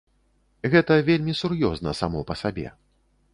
Гэта вельмі сур'ёзна само па сабе.